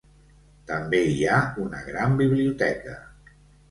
També hi ha una gran biblioteca.